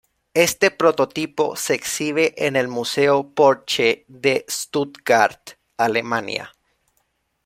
Este prototipo se exhibe en el Museo Porsche de Stuttgart, Alemania.